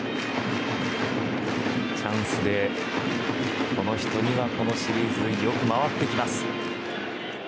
チャンスで、この人にはこのシリーズよく回ってきます。